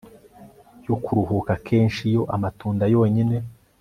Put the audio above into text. yo kuruhuka Akenshi iyo amatunda yonyine